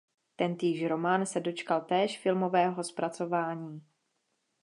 Tentýž román se dočkal též filmového zpracování.